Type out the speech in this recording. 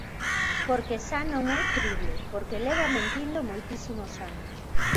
Porque xa non é crible, porque leva mentindo moitísimos anos.